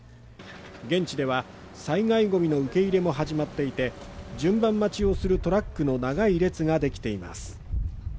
現地では災害ゴミの受け入れも始まっていて、順番待ちをするトラックの長い列ができています。